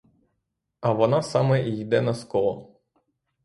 А вона саме і йде на скло.